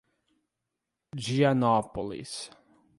Dianópolis